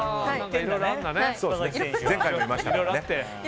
前回もいましたからね。